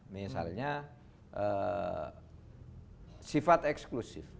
misalnya sifat eksklusif